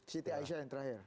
siti aisyah yang terakhir